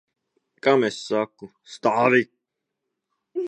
Kam es saku? Stāvi!